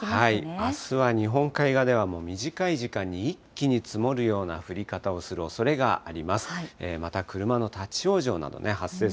あすは日本海側ではもう短い時間に一気に積もるような降り方をするおそれがあります。